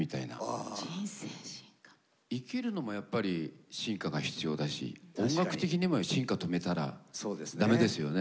生きるのもやっぱり進化が必要だし音楽的にも進化止めたら駄目ですよね。